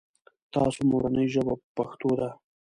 تاسو مورنۍ ژبه پښتو ده ؟